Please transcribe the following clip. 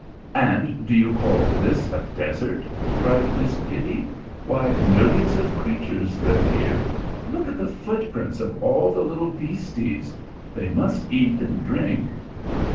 "And do you call this a desert?" cries Miss Kitty. "Why, millions of creatures live here! Look at the footprints of all the little beasties. They must eat and drink."